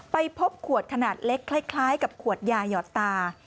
ไปพบขวดขนาดเล็กคล้ายกับขวดยาหยอดตา